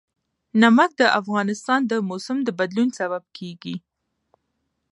نمک د افغانستان د موسم د بدلون سبب کېږي.